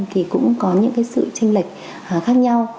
thì cũng có những sự tranh lệch khác nhau